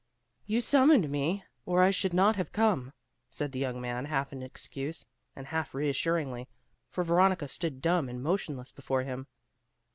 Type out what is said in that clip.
"You summoned me, or I should not have come;" said the young man, half in excuse, and half reassuringly, for Veronica stood dumb and motionless before him.